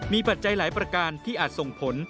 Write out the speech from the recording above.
มีปัจจัยหลายประการที่อาจส่งผล